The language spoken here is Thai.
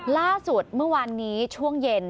ล่าสุดเมื่อวานนี้ช่วงเย็น